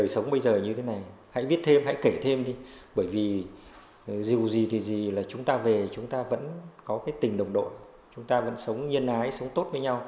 sống như ngũi xót xa